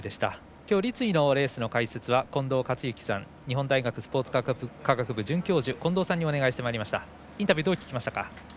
きょう立位のレースの解説は近藤克之さん日本大学スポーツ科学部准教授の近藤さんにお願いしてまいりましたインタビュー、どう聞きましたか。